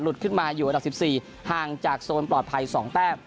ขึ้นมาอยู่อันดับ๑๔ห่างจากโซนปลอดภัย๒แต้ม